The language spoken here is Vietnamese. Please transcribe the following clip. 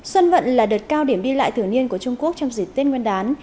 xuân vận là đợt cao điểm đi lại thử niên của trung quốc trong dịch tên nguyên đán